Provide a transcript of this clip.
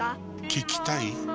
聞きたい？